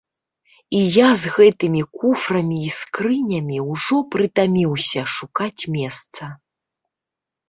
І я з гэтымі куфрамі і скрынямі ўжо прытаміўся шукаць месца.